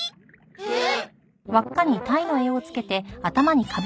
えっ？